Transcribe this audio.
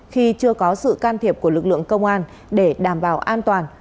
khi chưa có sự can thiệp của lực lượng công an để đảm bảo an toàn